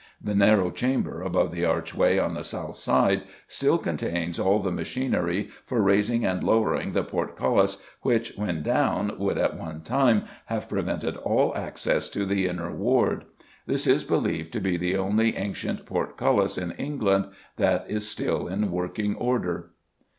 The narrow chamber above the archway on the south side still contains all the machinery for raising and lowering the portcullis which, when down, would at one time have prevented all access to the Inner Ward. This is believed to be the only ancient portcullis in England that is still in working order.